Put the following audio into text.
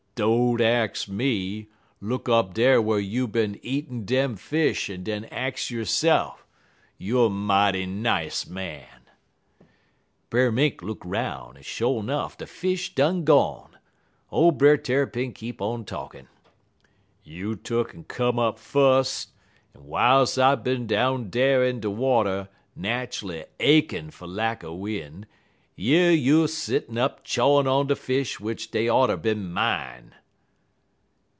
"'Don't ax me. Look up dar whar you bin eatin' dem fish en den ax yo'se'f. Youer mighty nice man!' "Brer Mink look 'roun' en, sho' 'nuff, de fish done gone. Ole Brer Tarrypin keep on talkin': "'You tuck'n come up fust, en w'iles I bin down dar in de water, nat'ally achin' fer lack er win', yer you settin' up chawin' on de fish w'ich dey oughter bin mine!'